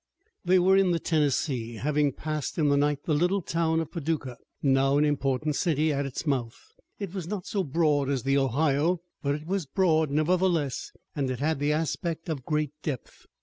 They were in the Tennessee, having passed in the night the little town of Paducah now an important city at its mouth. It was not so broad as the Ohio, but it was broad, nevertheless, and it had the aspect of great depth.